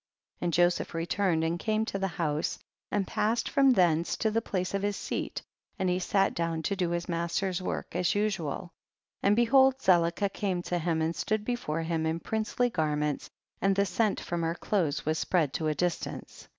52. And Joseph returned and came to the house, and passed from thence •to the place of his seat, and he sat down to do his master's work as usual, and behold Zelicah came to him and stood before him in princely garments, and the scent from her clothes was spread to a distance.